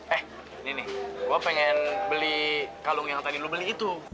eh ini nih gue pengen beli kalung yang tadi lo beli itu